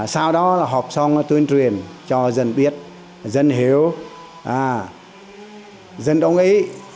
sau đó là họp xong tuyên truyền cho dân biết dân hiểu dân đồng ý